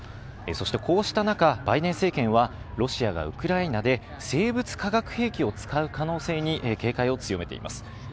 そしてこうした中、バイデン政権はロシアがウクライナで生物化学兵器を使う可能性に警戒を強めています。